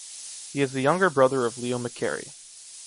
He is the younger brother of Leo McCarey.